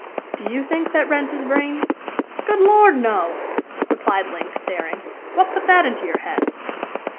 "Do you think that Wrent is Vrain?" "Good Lord! no!" replied Link, staring. "What put that into your head?"